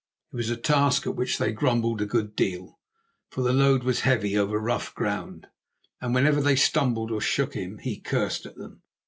It was a task at which they grumbled a good deal, for the load was heavy over rough ground, and whenever they stumbled or shook him he cursed at them.